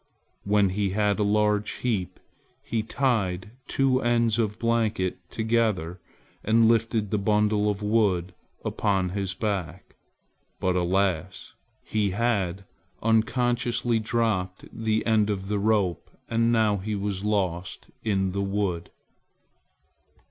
When he had a large heap, he tied two opposite ends of blanket together and lifted the bundle of wood upon his back, but alas! he had unconsciously dropped the end of the rope and now he was lost in the wood!